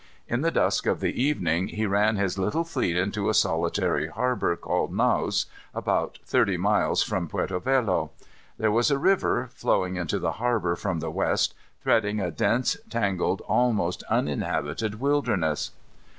In the dusk of the evening he ran his little fleet into a solitary harbor, called Naos, about thirty miles from Puerto Velo. There was a river, flowing into the harbor from the west, threading a dense, tangled, almost uninhabited wilderness.